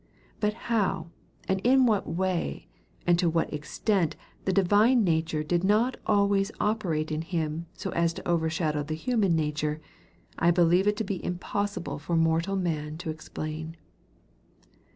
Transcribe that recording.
But how, and in what way, and to what extent the divine nature did not always operate in Him so as to overshadow the human nature, I believe it to be im possible for mortal man to explain.